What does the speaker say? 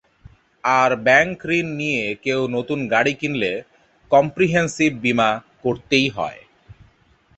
আর bank ঋণ নিয়ে কেউ নতুন গাড়ি কিনলে কমপ্রিহেনসিভ বিমা করতেই হয়।